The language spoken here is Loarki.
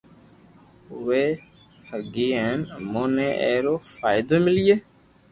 آوي ھگي ھين امو ني اي رو فائدو ملئي